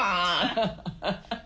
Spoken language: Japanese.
ハハハハ。